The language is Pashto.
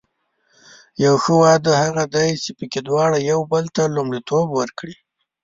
یو ښه واده هغه دی چې پکې دواړه یو بل ته لومړیتوب ورکړي.